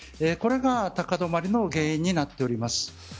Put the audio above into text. これが高止まりの原因になっています。